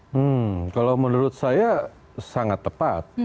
hmm kalau menurut saya sangat tepat